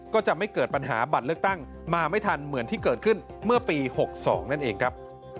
ก็จะไม่เกิดปัญหาบัตรเลือกตั้งมาไม่ทันเหมือนที่เกิดขึ้นเมื่อปี๖๒นั่นเองครับ